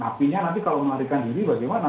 apinya nanti kalau melarikan diri bagaimana